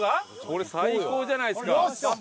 それ最高じゃないですか。